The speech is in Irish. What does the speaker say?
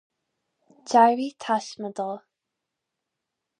D'éirigh taisme dó.